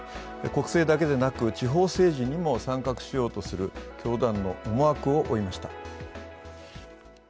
国政だけでなく地方政治にも参画しようとする教団の思惑を追いました。